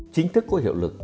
chính thức có hiệu lực